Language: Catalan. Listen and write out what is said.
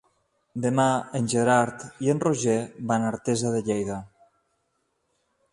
Demà en Gerard i en Roger van a Artesa de Lleida.